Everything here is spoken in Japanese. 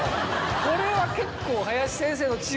これは結構。